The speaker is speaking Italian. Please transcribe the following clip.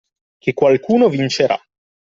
Che qualcuno vincerà.